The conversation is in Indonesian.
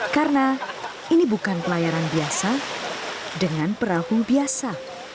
karena ini bukan pelayaran biasa dengan perahu biasa